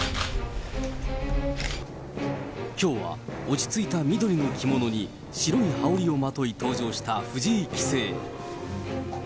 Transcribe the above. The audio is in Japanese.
きょうは落ち着いた緑の着物に白い羽織をまとい、登場した藤井棋聖。